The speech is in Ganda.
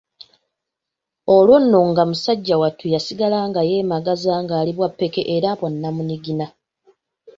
Olwo nno nga musajja wattu yasigala nga yeemagaza ng'ali bwa ppeke era bwa nnamunigina.